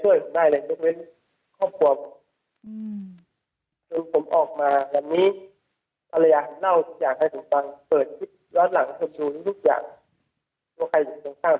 คำนัยการเน่าสักอย่างให้ผมฟัง